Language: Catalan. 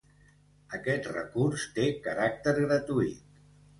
Aquest recurs té caràcter gratuït.